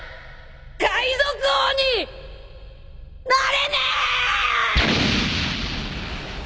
海賊王になれねえ！！